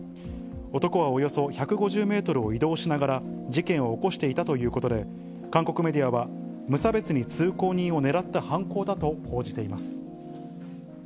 男はおよそ１５０メートルを移動しながら、事件を起こしていたということで、韓国メディアは、無差別に通行人を狙った犯行だと報じています。